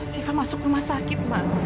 siva masuk rumah sakit mbak